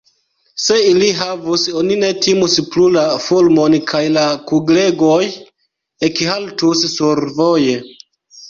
Se ili havus, oni ne timus plu la fulmon, kaj la kuglegoj ekhaltus survoje.